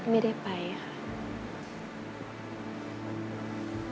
ไม่ได้ไปค่ะ